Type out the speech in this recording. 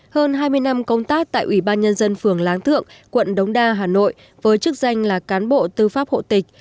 hơn hai mươi năm công tác tại ủy ban nhân dân phường láng thượng quận đống đa hà nội với chức danh là cán bộ tư pháp hộ tịch